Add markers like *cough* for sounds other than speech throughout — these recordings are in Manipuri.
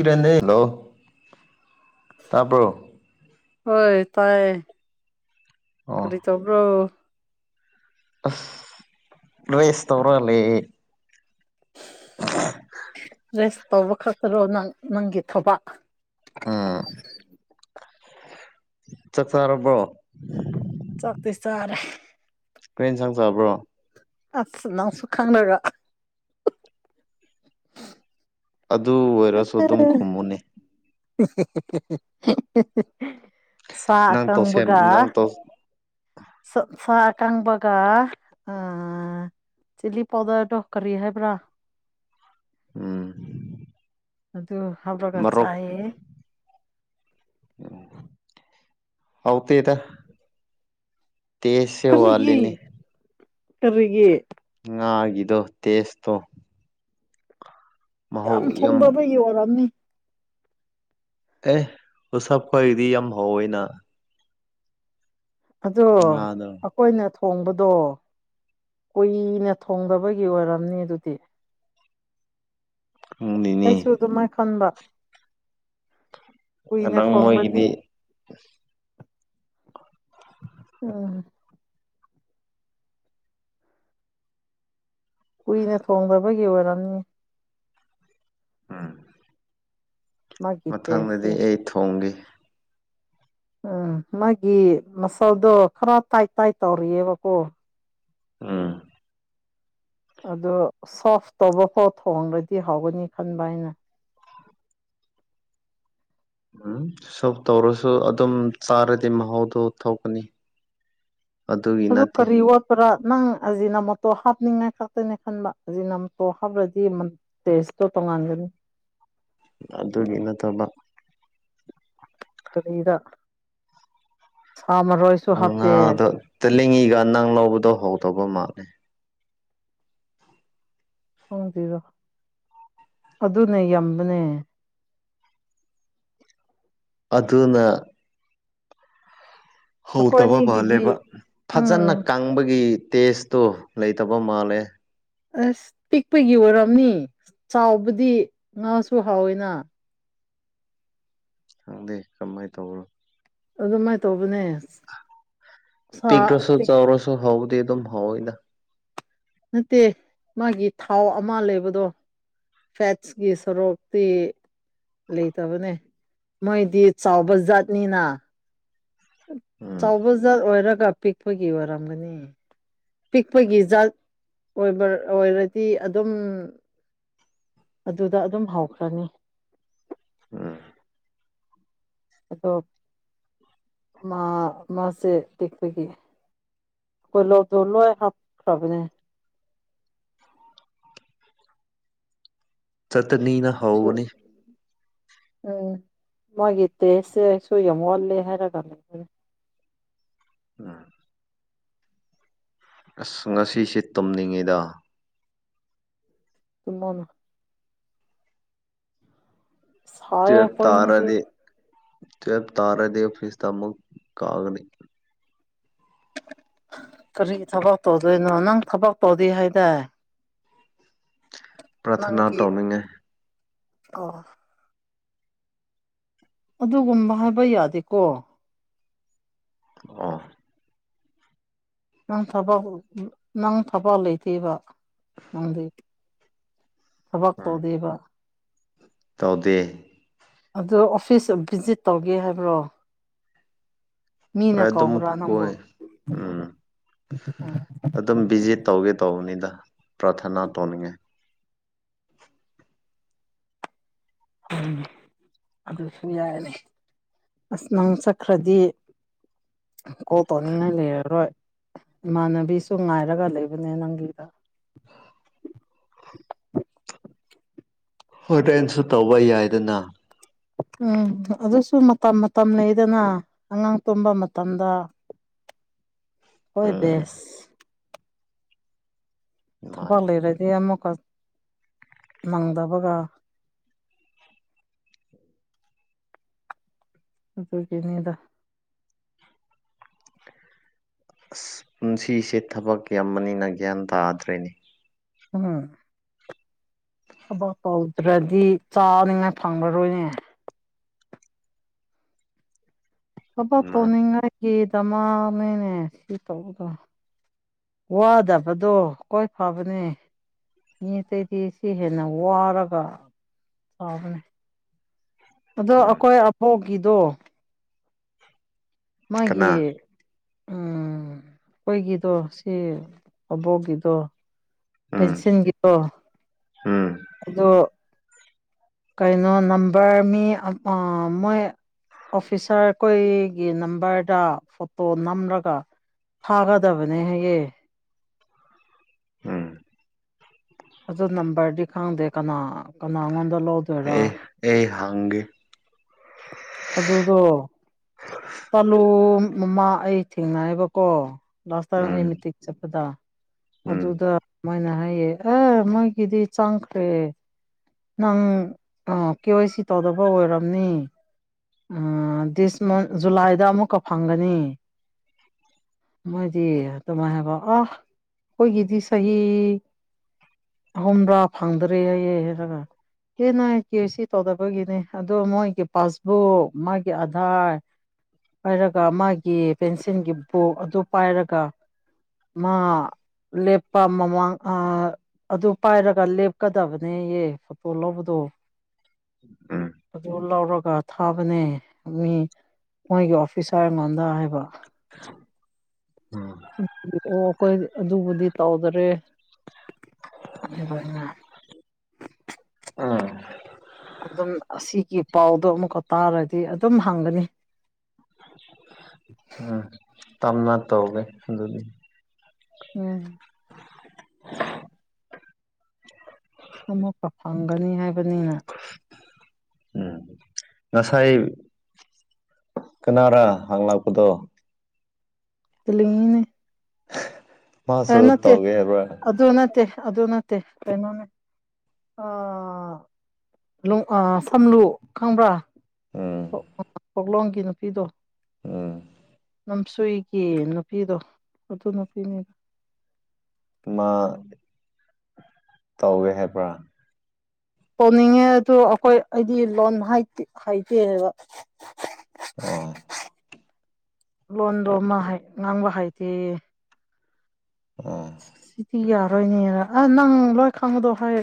ꯏꯔ ꯍꯂꯣ ꯇꯥꯄ꯭ꯔꯣ ꯍꯣꯏ ꯇꯥꯏꯌꯦ ꯑꯣ ꯀꯔꯤ ꯇꯧꯕ꯭ꯔꯣ ꯑꯁ ꯔꯦꯁ ꯇꯧꯔꯣ ꯂꯩꯌꯦ꯫ *inaudible* ꯔꯦꯁ ꯇꯧꯕ ꯈꯛꯇꯔꯣ ꯅꯪ ꯅꯪꯒꯤ ꯊꯕꯛ ꯑꯥ ꯆꯥꯛ ꯆꯥꯔꯕ꯭ꯔꯣ ꯆꯥꯛꯇ ꯆꯔꯦ ꯀꯩ ꯍꯦꯟꯁꯥꯡ ꯆꯥꯕ꯭ꯔꯣ ꯑꯁ ꯅꯪꯁꯨ ꯈꯪꯅꯣꯏꯔꯣ ꯑꯗꯨ ꯑꯣꯏꯔꯁꯨ ꯑꯗꯨꯝ ꯈꯨꯝꯃꯨꯅꯦ ꯁꯥ ꯅꯪ ꯇꯧꯁꯦꯝ ꯑꯀꯪꯕꯒ ꯅꯪ ꯇꯧ ꯁ ꯁ ꯀꯪꯕꯒ ꯑ ꯆꯤꯂꯤ ꯄꯥꯎꯗ ꯇꯣꯛꯈꯔꯤ ꯍꯥꯏꯕ꯭ꯔꯥ ꯎꯝ ꯑꯗꯨ ꯍꯥꯞꯄꯒ ꯃꯔꯣꯛ ꯆꯥꯏꯑꯌꯦ ꯎ ꯍꯧ ꯇꯗ ꯀꯔꯤꯒꯤ ꯋꯥꯠꯂꯤꯅꯦ ꯀꯔꯤꯒꯤ ꯎꯒꯗꯣ ꯇꯦꯁ ꯇꯣ ꯌꯥꯝ ꯊꯣꯡꯗꯕ ꯌ ꯑꯣꯏꯔꯝꯃꯤ ꯑꯦ ꯎꯁꯞ ꯈꯣꯏꯗꯤ ꯌꯥꯝ ꯍꯧꯋꯏꯅ ꯑꯗꯣ ꯉꯥꯗꯣ ꯑꯣꯏꯅ ꯊꯣꯡꯕꯗꯣ ꯀꯨꯏꯅ ꯊꯣꯡꯗꯕꯒꯤ ꯑꯣꯏꯔꯝꯅꯤ ꯑꯗꯨꯗꯤ ꯎꯡꯅꯤ ꯁꯨ ꯑꯗꯨꯃꯥꯏ ꯈꯟꯕ ꯀꯨꯏꯅ ꯉꯔꯥꯡ ꯊꯣꯡꯕꯗꯤ ꯃꯣꯏꯒꯤꯗꯤ ꯎꯝ ꯀꯨꯏꯅ ꯊꯣꯡꯗꯕꯒꯤ ꯑꯣꯏꯔꯝꯅꯤ ꯑꯝ ꯃꯥꯒꯤ ꯃꯊꯪꯗꯗꯤ ꯇꯦꯁꯁꯦ ꯑꯩ ꯊꯣꯡꯈꯤ ꯎꯝ ꯃꯥꯒꯤ ꯃꯆꯜꯗꯣ ꯈꯔ ꯇꯥꯏ ꯇꯥꯏ ꯇꯧꯔꯤꯑꯕꯀꯣ ꯑꯥ ꯑ ꯁꯣꯐ ꯇꯧꯕꯐꯥꯎ ꯊꯣꯡꯡꯂꯗꯤ ꯍꯥꯎꯒꯅꯤ ꯈꯟꯕ ꯑꯩꯅ ꯎꯝ ꯁꯣꯞ ꯇꯧꯔꯁꯨ ꯑꯗꯨꯝ ꯆꯥꯔꯗꯤ ꯃꯍꯥꯎꯗꯣ ꯊꯣꯛꯧꯀꯅꯤ ꯑꯗꯨ ꯀꯔꯤꯑꯣ ꯄꯨꯔꯥ ꯅꯪ ꯑꯁꯤꯖꯤꯅ ꯃꯣꯇꯣꯔ ꯍꯥꯞꯅꯤꯡꯉꯥꯏ ꯈꯛꯇꯅꯦ ꯈꯟꯕ ꯑꯁꯤꯖꯤꯅ ꯃꯣꯇꯣ ꯍꯥꯞꯄ꯭ꯔꯗꯤ ꯇꯦꯁꯇꯣ ꯄꯉꯥꯟꯗꯅꯤ ꯑꯗꯨꯒꯤ ꯅꯠꯇꯕ ꯆ ꯀꯔꯤꯗ ꯁꯃꯔꯣ ꯎꯝ ꯉ ꯑꯗꯣ ꯇ ꯂꯡꯉꯤꯒ ꯅꯪ ꯂꯧꯕꯗꯣ ꯍꯧꯗꯧꯕ ꯃꯥꯅꯦ ꯍꯔ ꯑꯗꯨꯅꯦ ꯌꯥꯝꯕꯅꯦ ꯑꯗꯨꯅ ꯑꯩꯈꯣꯏ ꯍꯧꯗꯕ ꯑꯅꯤꯒꯤꯗꯤ ꯃꯥꯜꯂꯦꯕ ꯐꯖꯅ ꯎꯝ ꯀꯪꯕꯒꯤ ꯇꯦꯁꯇꯨ ꯂꯩꯇꯕ ꯃꯥꯜꯂꯦ ꯑꯁ ꯄꯤꯛꯄꯒꯤ ꯑꯣꯏꯔꯝꯅꯤ ꯆꯥꯎꯕꯗꯤ ꯉꯥꯁꯨ ꯍꯥꯎꯋꯤꯅ ꯈꯪꯗꯦ ꯀꯃꯥꯏꯅ ꯇꯧꯕꯅꯣ ꯑꯗꯨꯃꯥꯏꯅ ꯇꯧꯕꯅꯦ ꯁꯥ ꯄꯤꯛꯇ꯭ꯔꯁꯨ ꯄꯤꯛ ꯆꯥꯎꯔꯁꯨ ꯍꯧꯗꯤ ꯑꯗꯨꯝ ꯍꯧꯋꯏꯅ ꯅꯠꯇꯦ ꯃꯥꯒꯤ ꯊꯥꯎ ꯑꯃ ꯂꯩꯕꯗꯣ ꯐꯦꯠꯁ ꯀ ꯁꯔꯣꯛꯞꯇꯤ ꯂꯩꯇꯕꯅꯦ ꯃꯣꯏꯗꯤ ꯆꯥꯎꯕ ꯖꯥꯠꯅꯤꯅ ꯎꯝ ꯆꯥꯎꯕ ꯖꯥꯠ ꯑꯣꯏꯔꯒ ꯄꯤꯛꯄꯒꯤ ꯑꯣꯏꯔꯝꯒꯅꯤ ꯄꯤꯛꯄꯒꯤ ꯖꯥꯠ ꯑꯣꯏꯕ ꯑꯣꯏꯔꯗꯤ ꯑꯗꯨꯝ ꯑꯗꯨꯗ ꯑꯗꯨꯝ ꯍꯧꯈ꯭ꯔꯅꯤ ꯎꯝ ꯑꯗꯣ ꯃꯥ ꯃꯥꯁꯦ ꯇꯦꯛꯄꯒꯤ ꯀꯣꯏ ꯂꯣ ꯗꯣꯂꯣ ꯍꯥ ꯈꯕꯅꯦ ꯆꯠ ꯅꯩꯅꯅ *unintelligible* ꯎꯝ ꯃꯣꯏꯒꯤ ꯇꯦꯁꯁꯦ ꯁꯣꯏ ꯌꯥꯝ ꯋꯜꯂꯦ ꯍꯥꯏꯔꯒ ꯂꯩ ꯑꯝ ꯑꯁ ꯉꯁꯤꯁꯦ ꯇꯨꯝꯅꯤꯡꯉꯩꯗ *unintelligible* ꯁꯥꯏꯌꯦ ꯇꯨꯋꯦꯞ ꯑꯩꯈꯣꯏꯅꯤꯗꯤ ꯇꯥꯔꯗꯤ ꯇ꯭ꯋꯦꯞ ꯇꯥꯔꯗꯤ ꯑꯣꯐꯤꯁ ꯇ ꯑꯃꯨꯛ ꯀꯥꯒꯅꯤ ꯀꯔꯤ ꯊꯕꯛ ꯇꯧꯗꯣꯏꯅꯣ ꯅꯪ ꯊꯕꯛ ꯇꯧꯗꯔꯤ ꯍꯥꯏꯗꯥꯏ ꯄ꯭ꯔꯥꯊꯅꯥ ꯅꯪꯒꯤ ꯇꯧꯅꯤꯡꯉꯥꯏ ꯑꯣ ꯑꯗꯨꯒꯨꯝꯕ ꯍꯥꯏꯕ ꯌꯥꯗꯦꯀꯣ *unintelligible* ꯅꯪ ꯊꯕꯛ ꯅꯪ ꯊꯕꯛ ꯂꯩꯇꯦꯕ ꯅꯪꯗ ꯊꯕꯛ ꯎꯝ ꯇꯧꯗꯦꯕ ꯇꯧꯗꯦ ꯑꯗ ꯑꯣꯐꯤꯁ ꯚꯤꯖꯤꯠ ꯇꯧꯒꯦ ꯍꯥꯏꯕ꯭ꯔꯣ ꯍꯣꯏ ꯃꯤꯅ ꯑꯗꯨꯝ ꯀꯧꯕ꯭ꯔꯥ ꯅꯪꯕꯣ ꯀꯣꯏ ꯎꯝ ꯑꯗꯨꯝ ꯚꯤꯖꯤꯠ ꯇꯧꯒꯦ ꯇꯧꯕꯅꯤꯗ ꯄ꯭ꯔꯥꯊꯅꯥ ꯇꯧꯅꯤꯡꯉꯥꯏ *unintelligible* ꯑꯗꯨꯁꯨ ꯌꯥꯏꯔꯦ *unintelligible* ꯑꯁ ꯅꯪ ꯆꯠꯈ꯭ꯔꯗꯤ ꯀꯣꯜ ꯇꯧꯅꯤꯡꯉꯥꯏ ꯂꯩꯔꯔꯣꯏ ꯏꯃꯥꯟꯅꯕꯤꯁꯨ ꯉꯥꯏꯔꯒ ꯂꯩꯕꯅꯦ ꯅꯪꯒꯤꯗ ꯍꯣꯔꯦꯟꯁꯨ ꯇꯧꯕ ꯌꯥꯏꯗꯅ ꯎꯝ ꯑꯗꯨꯁꯨ ꯃꯇꯝ ꯃꯇꯝ ꯂꯩꯗꯅ ꯑꯉꯥꯡ ꯇꯨꯝꯕ ꯃꯇꯝꯗ *unintelligible* ꯍꯣꯏ ꯎꯝ *unintelligible* ꯊꯕꯛ ꯃꯥꯅꯤ ꯂꯩꯔꯗꯤ ꯑꯃꯨꯛꯀ *inaudible* ꯅꯪꯗꯕꯒ ꯑꯗꯨꯒꯤꯅꯤꯗ ꯑꯁ ꯄꯨꯟꯁꯤꯁꯦ ꯊꯕꯛ ꯌꯥꯝꯕꯅꯤꯅ ꯒ꯭ꯌꯥꯟ ꯇꯥꯗ꯭ꯔꯦꯅꯦ ꯎꯝ ꯊꯕꯛ ꯇꯧꯗ꯭ꯔꯗꯤ ꯆꯥꯅꯤꯉꯥꯏ ꯐꯪꯉꯔꯣꯏꯅꯦ ꯊꯕ ꯃꯥꯅꯦ ꯇꯧꯅꯤꯡꯉꯥꯏꯒꯤꯗꯃꯛꯅꯦꯅꯦ ꯁꯤ ꯇꯧꯕꯗ ꯋꯥꯗꯕꯗꯣ ꯀꯣꯏ ꯐꯕꯅꯦ ꯃꯤ ꯑꯇꯩꯗꯤ ꯁꯤ ꯍꯦꯟꯅ ꯋꯥꯔꯒ ꯐꯕꯅꯦ ꯑꯗꯣ ꯎꯝ ꯑꯩꯈꯣꯏ ꯑꯕꯣꯛꯀꯤꯗꯣ ꯀꯅꯥ ꯃꯥꯒꯤ ꯎꯝ ꯑꯩꯈꯣꯏꯒꯤꯗꯣ ꯁꯤ ꯑꯕꯣꯛꯀꯤꯗꯣ ꯎꯝ ꯄꯦꯟꯁꯤꯟꯒꯤꯗꯣ ꯎꯝ ꯑꯗꯣ ꯀꯩꯅꯣ ꯅꯝꯕꯔ ꯃꯤ ꯃꯣꯏ ꯑꯣꯐꯤꯁꯥꯔꯈꯣꯏꯒꯤ ꯅꯝꯕꯔꯗ ꯐꯣꯇꯣ ꯅꯝꯂꯒ ꯊꯥꯒꯗꯕꯅꯦ ꯍꯥꯏꯌꯦ ꯎꯝ ꯑꯣ ꯅꯝꯕꯔꯗꯤ ꯈꯪꯗꯦ ꯀꯅꯥ ꯀꯅꯥꯉꯣꯟꯗ ꯂꯧ ꯑꯦ ꯑꯩ ꯍꯡꯒꯦ ꯑꯗꯨꯗꯣ ꯇꯥꯂꯨ ꯃꯃꯥ ꯑꯩ ꯊꯦꯡꯅꯌꯦꯕꯀꯣ ꯂꯥꯁ ꯇꯥꯏꯝ ꯑꯩ ꯎꯝ ꯃꯤꯇꯤꯡ ꯆꯠꯄꯗ ꯎꯝ ꯑꯗꯨꯗ ꯃꯣꯏꯅ ꯍꯥꯏꯌꯦ ꯑꯦ ꯃꯣꯏꯒꯤꯗꯤ ꯆꯡꯈ꯭ꯔꯦ ꯅꯪ ꯀꯦ ꯋꯥꯏ ꯁꯤ ꯇꯧꯗꯕ ꯑꯣꯏꯔꯝꯅꯤ ꯑ ꯗꯤꯁ ꯃꯟ ꯖꯨꯂꯥꯏꯗ ꯑꯃꯨꯛ ꯐꯪꯒꯅꯤ ꯃꯣꯏꯗꯤ ꯑꯗꯨꯃꯥꯏ ꯍꯥꯏꯕ ꯑ ꯈꯣꯏꯒꯤꯗꯤ ꯆꯍꯤ ꯑꯍꯨꯝꯗ꯭ꯔꯥ ꯐꯪꯗꯔꯦ ꯍꯥꯏꯌꯦ ꯑꯗꯨꯅ ꯑꯦ ꯅ ꯀꯦ ꯁꯤ ꯇꯧꯗꯅꯕꯒꯤꯅꯦ ꯑꯗꯣ ꯃꯣꯏꯒꯤ ꯄꯥꯁ ꯑꯣ ꯃꯥꯒꯤ ꯑꯙꯥꯔ ꯄꯥꯏꯔꯒ ꯃꯥꯒꯤ ꯄꯦꯟꯁꯤꯜꯒꯤ ꯕꯨꯛ ꯑꯗꯨ ꯄꯥꯏꯔꯒ ꯃꯥ ꯂꯦꯄꯑꯃ ꯃꯥ ꯑ ꯑꯗꯨ ꯄꯥꯏꯔꯒ ꯂꯦꯞꯀꯗꯕꯅꯦꯌꯦ ꯐꯣꯇꯣ ꯂꯧꯕꯗꯣ ꯎꯝ ꯑꯗꯨ ꯂꯧꯔꯒ ꯊꯥꯕꯅꯦ ꯃꯤ ꯃꯣꯏꯒꯤ ꯑꯣꯐꯤꯁꯔ ꯑꯩꯉꯣꯟꯗ ꯍꯥꯏꯕ ꯎꯝ ꯑꯣ ꯑꯩꯈꯣꯏ ꯑꯗꯨꯕꯨꯗꯤ ꯇꯧꯗꯔꯦꯅ ꯎꯝ ꯑꯗꯨꯝ ꯑꯁꯤꯒꯤ ꯄꯥꯎꯗꯣ ꯑꯃꯨꯛꯀ ꯇꯥꯔꯗꯤ ꯑꯗꯨꯝ ꯍꯪꯒꯅꯤ ꯎꯝ ꯇꯞꯅ ꯇꯧꯒꯦ ꯑꯗꯨꯗꯤ ꯎꯝ ꯑꯃꯨꯛꯀ ꯐꯪꯒꯅꯤ ꯍꯥꯏꯕꯅꯤꯅ ꯎꯝ ꯉꯁꯥꯏ ꯀꯅꯥꯔꯥ ꯍꯥꯡꯪꯂꯥꯛꯄꯗꯣ ꯇꯂꯤꯅ ꯃꯥꯁꯨ ꯅꯠꯇꯦ ꯇꯧꯒꯦ ꯍꯥꯏꯕ꯭ꯔꯥ ꯑꯗꯨ ꯠꯇꯦ ꯑꯗꯨꯅꯠꯇꯦꯩꯅꯣꯅꯦ ꯑ ꯁꯝꯂꯨ ꯈꯪꯕ꯭ꯔꯥ ꯎꯝ ꯀꯣꯛꯂꯣꯡꯒꯤ ꯅꯨꯄꯤꯗꯣ ꯎꯝ ꯅꯝꯁꯨꯒꯤ ꯅꯨꯄꯤꯗꯣ ꯑꯗꯨ ꯅꯨꯄꯤꯅꯤꯗ ꯃꯥ ꯇꯧꯋꯦ ꯍꯥꯏꯕ꯭ꯔꯥ ꯇꯧꯅꯤꯡꯉꯦ ꯑꯗꯨꯣ ꯑꯩꯈꯣꯏ ꯑꯩꯗꯤ ꯂꯣꯟ ꯍꯥꯏꯇꯦꯕ ꯑꯥ ꯂꯣꯟꯗꯣ ꯃꯥ ꯍꯥꯏ ꯉꯥꯡꯕ ꯍꯥꯏꯗꯤꯦ ꯑ ꯁꯤꯇꯤ ꯌꯥꯔꯣꯏꯅꯦꯔ ꯑ ꯅꯪ ꯂꯣꯏ ꯈꯪꯕꯗꯣ ꯍꯥꯏ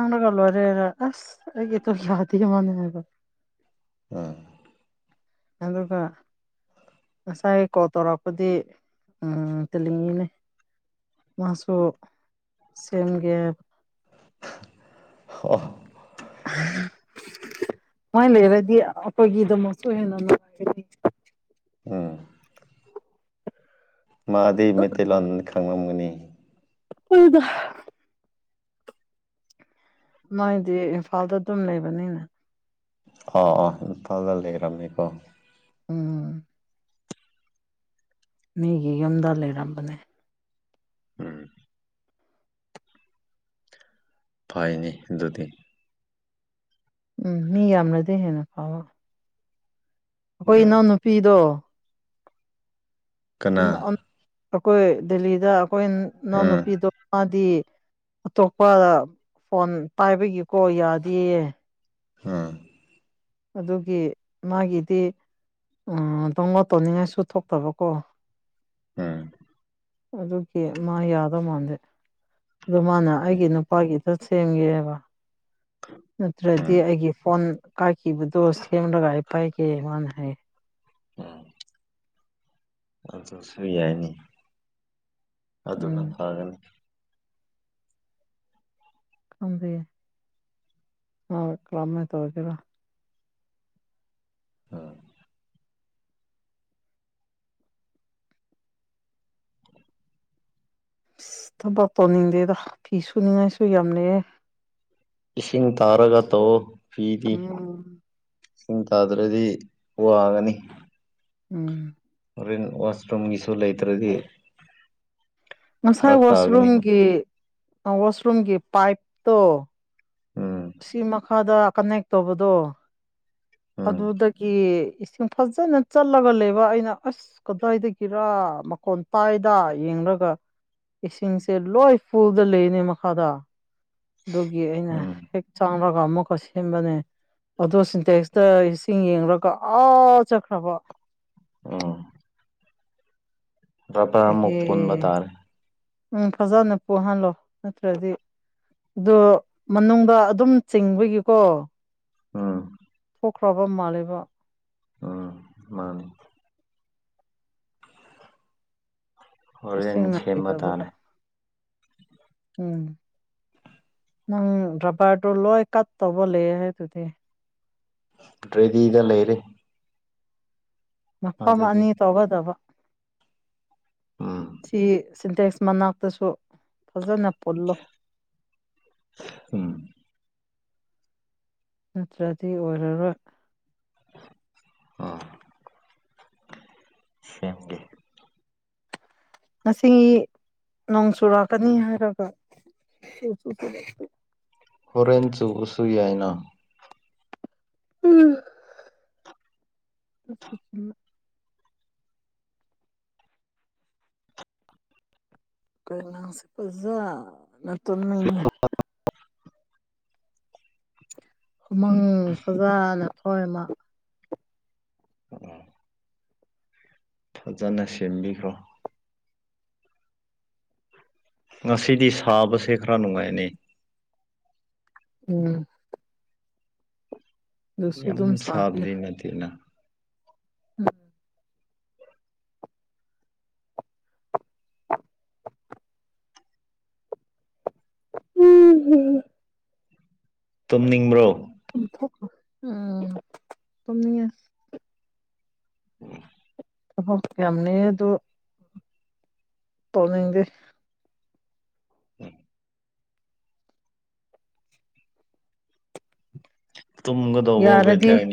ꯑꯔꯒ ꯂꯔ ꯑꯁ ꯑꯩꯒꯤꯇ ꯂꯗꯤ ꯃꯅꯦ ꯍꯥꯏꯕꯣ ꯑꯝ ꯑꯒ ꯉꯁꯥꯏ ꯀꯣꯜ ꯇꯧꯔꯛꯄꯗꯤ ꯇꯤꯜꯂꯤꯉꯤꯅꯦ ꯃꯥꯁꯨ ꯁꯦꯝꯒꯦ ꯍ ꯑꯣ ꯃꯣꯏ ꯂꯩꯔꯗꯤ ꯑꯩꯈꯣꯏꯒꯤꯗꯃꯁꯨ ꯍꯦꯟꯅ ꯅꯨꯡꯉꯥꯏꯔꯗꯤ ꯎꯝ ꯃꯥꯗꯤ ꯃꯩꯇꯩꯂꯣꯟ ꯈꯪꯂꯝꯒꯅꯤ ꯎꯗ ꯃꯥꯏꯗꯤ ꯏꯝꯐꯥꯜꯗ ꯑꯗꯨꯝ ꯂꯩꯕꯅꯤꯅ ꯑꯥ ꯑꯥ ꯅꯗ ꯂꯩꯔꯅꯤꯀꯣ ꯎꯝ ꯃꯤꯒꯤ ꯌꯨꯝꯗ ꯂꯩꯔꯝꯕꯅꯦ ꯎꯝ ꯐꯩꯅꯤ ꯑꯗꯨꯗꯤ ꯎꯝ ꯃꯤ ꯌꯥꯝꯅꯗꯤ ꯍꯦꯟꯅ ꯐꯥꯎꯕ ꯑꯩꯈꯣꯏ ꯎꯝ ꯏꯅꯥꯎꯅꯨꯄꯤꯗꯣ ꯀꯅꯥ ꯑꯩꯈꯣꯏ ꯗꯦꯜꯂꯤꯗ ꯑꯩꯈꯣꯏ ꯎꯝ ꯏꯅꯥꯎꯅꯨꯄꯤꯗꯣ ꯃꯥꯗꯤ ꯑꯇꯣꯞꯄ ꯐꯣꯟ ꯄꯥꯏꯕꯒꯤꯀꯣ ꯌꯥꯗꯦꯌꯦ ꯍꯥꯥ ꯑꯗꯨꯒꯤ ꯃꯥꯒꯤꯗꯤ ꯎ ꯑꯗꯨꯣꯉꯣ ꯇꯧꯅꯤꯡꯉꯥꯏꯁꯨ ꯊꯣꯛꯇꯕꯀꯣ ꯎꯝ ꯑꯗꯨꯒꯤ ꯃꯥ ꯌꯥꯗꯧ ꯃꯥꯟꯂꯦ ꯑꯗꯨ ꯃꯥꯅ ꯎꯝ ꯑꯩꯒꯤ ꯅꯨ ꯅꯨꯄꯥꯒꯤꯗ ꯁꯦꯝꯒꯦꯕ ꯅꯠꯇ꯭ꯔꯗꯤ ꯎꯝ ꯑꯩꯒꯤ ꯐꯣꯟ ꯀꯕꯨꯗꯣꯁ ꯑꯃꯒꯥꯏ ꯄꯥꯏ ꯀꯦ ꯏ ꯍꯦ ꯎꯝ ꯑꯗꯨꯁꯨ ꯌꯥꯏꯅꯤ ꯎꯝ ꯑꯗꯨꯅ ꯐꯔꯅꯤ *unintelligible* ꯍꫭꯏ ꯀꯂꯝꯃꯥꯏ ꯇꯧꯗꯨꯏꯕ *unintelligible* ꯏꯁ ꯊꯕꯛ ꯇꯧꯅꯤꯡꯗꯦꯗ ꯐꯤ ꯁꯨꯅꯤꯡꯉꯥꯏꯁꯨ ꯌꯥꯝ ꯂꯩꯌꯦ ꯏꯁꯤꯡ ꯇꯥꯔꯒ ꯇꯧꯑꯣ ꯄꯤꯗꯤ ꯎꯝ ꯏꯁꯤꯡ ꯇꯥꯗ꯭ꯔꯗꯤ ꯋꯥꯒꯅꯤ ꯎꯝ ꯍꫭꯔꯦꯟ ꯋꯥꯁ ꯔꯨꯝꯒꯤꯁꯨꯨ ꯂꯩꯇꯔꯗꯤ ꯉꯁꯥꯏ ꯇꯥꯒꯅꯤꯕ ꯋꯥꯁꯔꯨꯝꯒꯤ ꯋꯥꯁꯔꯨꯝꯒꯤ ꯄꯥꯏꯞꯇꯣ ꯎꯝ ꯁꯤ ꯃꯈꯥꯗ ꯀꯅꯦꯛ ꯇꯧꯕꯗꯣ ꯎꯝ ꯑꯗꯨꯗꯒꯤ ꯏꯁꯤꯡ ꯐꯖꯅ ꯆꯠꯂꯒ ꯂꯩꯕ ꯑꯩꯅ ꯑꯁ ꯑꯁ ꯀꯗꯥꯏꯗꯒꯤꯔ ꯃꯈꯣꯟ ꯇꯥꯏꯗ ꯌꯦꯡꯂꯒ ꯏꯁꯤꯡꯁꯦ ꯂꯣꯏ ꯐꯨꯗ ꯂꯩꯅꯦ ꯃꯈꯥꯗ ꯑꯗꯨꯒꯤ ꯑꯩꯅ ꯎꯝ ꯍꯦꯛ ꯆꯪꯔꯒ ꯑꯃꯨꯛꯀ ꯁꯦꯝꯕꯅꯦ ꯑꯗꯣ ꯁꯤꯟꯇꯦꯛꯁꯇ ꯏꯁꯤꯡ ꯌꯦꯡꯂꯒ ꯑꯥ ꯆꯠꯈ꯭ꯔꯕ ꯑꯣ ꯑꯃꯨꯛ ꯄꯨꯟꯕ ꯑꯦꯍꯦ ꯇꯥꯔꯦ ꯎꯝ ꯐꯖꯅ ꯄꯨꯍꯜꯂꯣ ꯅꯠꯇ꯭ꯔꯗꯤ ꯑꯗꯨ ꯃꯅꯨꯡꯗ ꯑꯗꯨꯝ ꯆꯤꯡꯕꯒꯤꯀꯣ ꯎꯝ ꯄꯣꯛꯈ꯭ꯔꯥꯕ ꯃꯥꯜꯂꯦꯕ ꯃꯥꯅꯦ ꯏꯁꯤꯡ ꯍꯣꯔꯦꯟ ꯁꯦꯝꯕ ꯅꯥꯗꯕꯒ ꯇꯥꯔꯦ ꯎꯝ ꯅꯪ ꯔꯕꯔꯗꫭ ꯂꯣꯏ ꯀꯥꯠ ꯇꯧꯕ ꯂꯩ ꯍꯥꯏꯗꯨꯗꯤ ꯔꯦꯗꯤꯗ ꯂꯩꯔꯦ ꯃꯐꯝ ꯑꯗꯨꯗꯤ ꯑꯅꯤ ꯇꯧꯒꯗꯕ ꯎꯝ ꯁꯤ ꯁꯤꯟꯇꯦꯛꯁ ꯃꯅꯥꯛꯇꯁꯨ ꯐꯖꯅ ꯄꯨꯜꯂꯣ ꯎꯝ ꯅꯠꯇ꯭ꯔꯗꯤ ꯑꯣꯏꯔꯔꯣꯏ ꯑꯥ ꯁꯦꯝꯒꯦ ꯉꯁꯤꯒꯤ ꯅꯣꯡ ꯆꯨꯔꯥꯛꯀꯅꯤ ꯍꯥꯏꯔꯒ ꯆꯨꯁꯨ ꯆꯨꯔꯛꯇꯦ ꯍꯣꯔꯦꯟ ꯆꯨꯕꯁꯨ ꯌꯥꯏꯅ *unintelligible* *unintelligible* ꯀꯩ ꯅꯪꯁꯦ ꯑꫭꯖꯥ ꯅ ꯇꯨꯝꯅꯤꯡꯑꯦ *unintelligible* ꯎꯃꯪ ꯐꯖꯥꯅ ꯊꫭꯛꯑꯦ ꯃꯥ ꯐꯖꯅ ꯁꯦꯝꯕꯤꯈ꯭ꯔꯣ ꯉꯁꯤꯗꯤ ꯁꯥꯕꯁꯦ ꯈꯔ ꯅꯨꯡꯉꯥꯏꯅꯤ ꯎꯝ ꯑꯗꯨꯁꯨ ꯑꯗꯨꯝ ꯌꯥꯝ ꯁꯥꯕꯗꯤ ꯅꯠꯇꯦꯅ ꯎꯝ *unintelligible* *inaudible* ꯎꯝꯝ *unintelligible* ꯇꯨꯝꯅꯤꯡꯕ꯭ꯔꯣ ꯇꯨꯝꯊꫭꯛꯈꯔꫭ ꯎꯝ ꯇꯨꯝꯅꯤꯡꯉꯦ *unintelligible* ꯑꯍꯣ ꯌꯥꯝꯅꯤ ꯑꯗꯣ ꯇꯧꯅꯤꯡꯗꯦ ꯎꯝ ꯇꯃꯒꯗꯧꯕ ꯌꯥꯔꯗꯤ ꯕꯦꯗꯤꯌꯔꯅꯤ꯫